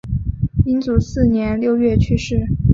英祖四年六月去世。